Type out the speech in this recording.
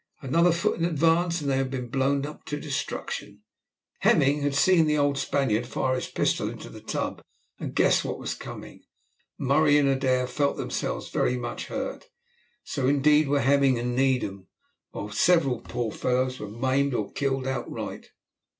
Another foot in advance, and they would have been blown to destruction. Hemming had seen the old Spaniard fire his pistol into the tub, and guessed what was coming. Murray and Adair felt themselves very much hurt, so indeed were Hemming and Needham; while several poor fellows were maimed or killed outright.